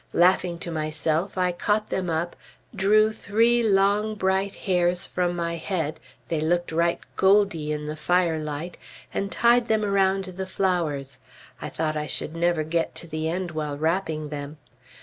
Laughing to myself, I caught them up, drew three long bright hairs from my head they looked right gold y in the firelight and tied them around the flowers I thought I should never get to the end while wrapping them.